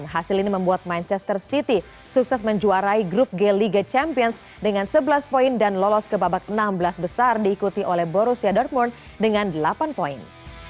hasil ini membuat manchester city sukses menjuarai grup g liga champions dengan sebelas poin dan lolos ke babak enam belas besar diikuti oleh borussia dortmund dengan delapan poin